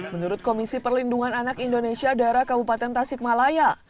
menurut komisi perlindungan anak indonesia daerah kabupaten tasikmalaya